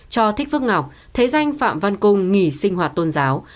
cho thích phước ngọc thế danh phạm văn cung nghỉ sinh hoạt tôn giáo